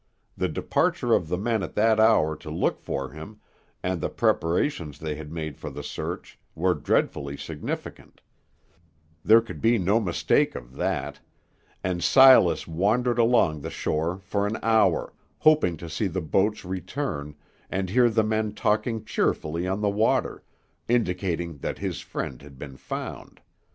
The departure of the men at that hour to look for him, and the preparations they had made for the search, were dreadfully significant, there could be no mistake of that; and Silas wandered along the shore for an hour, hoping to see the boats return, and hear the men talking cheerfully on the water, indicating that his friend had been found.